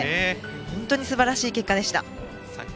本当にすばらしい結果でした。